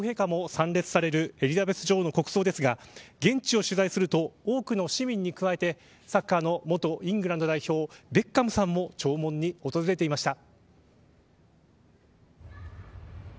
さて、日本からは天皇皇后両陛下も参列されるエリザベス女王の国葬ですが現地を取材すると多くの市民に加えてサッカーの元イングランド代表ベッカムさんも弔問に訪れていました。